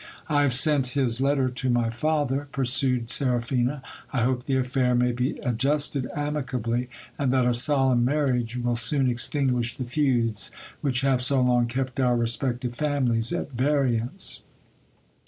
I have sent his letter to my father, pursued Seraphina. I hope the affair may be adjusted amicably, and that a solemn marriage will soon extinguish the feuds which have so long kept our respective families at variance.